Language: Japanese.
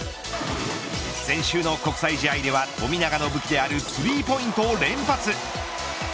先週の国際試合ではと富永の武器であるスリーポイントを連発。